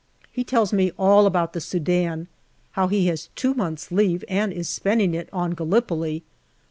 He tells me all about the Sudan how he has two months' leave and is spending it on Gallipoli.